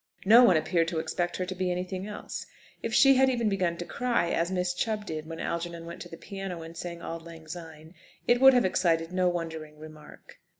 No one appeared to expect her to be anything else. If she had even begun to cry, as Miss Chubb did when Algernon went to the piano and sang "Auld Lang Syne," it would have excited no wondering remark.